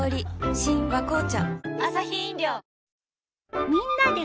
新「和紅茶」